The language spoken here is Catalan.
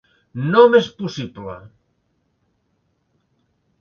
-No m'és possible!